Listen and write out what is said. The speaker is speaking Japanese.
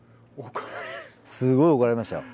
すごい怒られました。